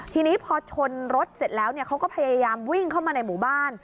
ทีนี้พอชนรถเสร็จแล้วเขาก็พยายามวิ่งเข้ามาในหมู่บ้าน